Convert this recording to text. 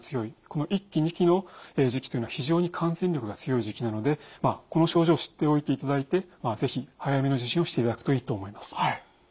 この１期２期の時期というのは非常に感染力が強い時期なのでこの症状を知っておいていただいて是非早めの受診をしていただくといいと思います。